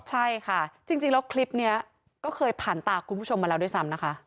ใช่ค่ะจริงแล้วคลิปนี้ก็เคยผ่านตาคุณผู้ชมมาแล้วด้วยซ้ำนะคะ